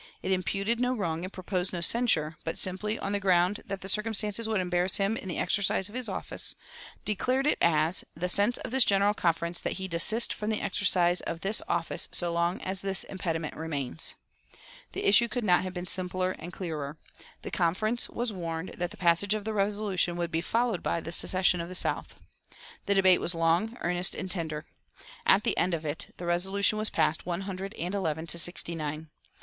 It imputed no wrong and proposed no censure, but, simply on the ground that the circumstances would embarrass him in the exercise of his office, declared it as "the sense of this General Conference that he desist from the exercise of this office so long as this impediment remains." The issue could not have been simpler and clearer. The Conference was warned that the passage of the resolution would be followed by the secession of the South. The debate was long, earnest, and tender. At the end of it the resolution was passed, one hundred and eleven to sixty nine.